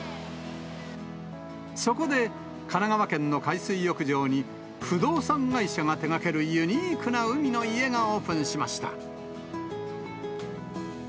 そこで、神奈川県の海水浴場に、不動産会社が手がけるユニークな海の家がオープンしました。